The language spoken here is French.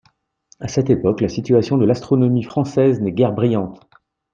À cette époque, la situation de l’astronomie française n’est guère brillante.